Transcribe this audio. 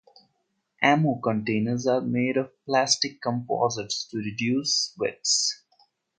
Ammo containers are made of plastic composites to reduce weight.